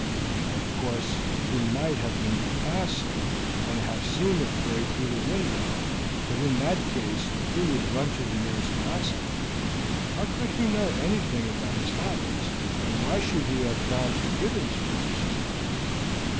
Of course, he might have been passing, and have seen the fray through the window, but in that case he would run to the nearest constable. How could he know anything about his habits, and why should he have gone to Gibbons for assistance?